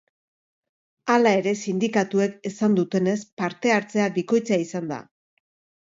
Hala ere, sindikatuek esan dutenez, parte-hartzea bikoitza izan da.